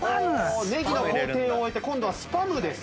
ネギの工程を終えて今度はスパムです。